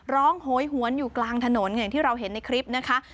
โหยหวนอยู่กลางถนนอย่างที่เราเห็นในคลิปนะคะ